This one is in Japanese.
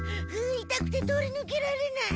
いたくて通りぬけられない。